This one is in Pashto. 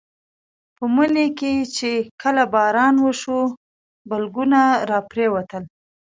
په مني کې چې کله باران وشو بلګونه راپرېوتل.